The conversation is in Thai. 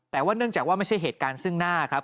แต่ว่าเนื่องจากว่าไม่ใช่เหตุการณ์ซึ่งหน้าครับ